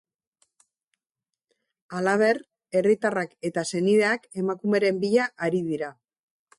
Halaber, herritarrak eta senideak emakumearen bila ari dira.